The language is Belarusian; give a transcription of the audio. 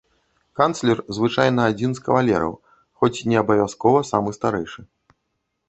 Канцлер звычайна адзін з кавалераў, хоць не абавязкова самы старэйшы.